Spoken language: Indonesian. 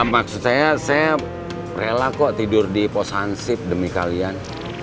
maksud saya saya rela kok tidur di pos hansip demi kalian